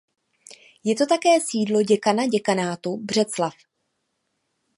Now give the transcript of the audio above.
Je to také sídlo děkana děkanátu Břeclav.